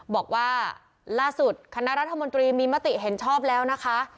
บอกว่าล่าสุดคณะรัฐมนตรีมีมติเห็นชอบแล้วนะคะ